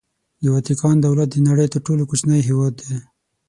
د واتیکان دولت د نړۍ تر ټولو کوچنی هېواد دی.